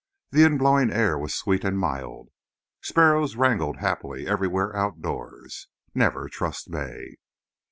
The inblowing air was sweet and mild. Sparrows wrangled happily everywhere outdoors. Never trust May.